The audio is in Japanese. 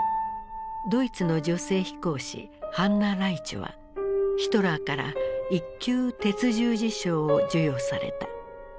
ドイツの女性飛行士ハンナ・ライチュはヒトラーから一級鉄十字章を授与された。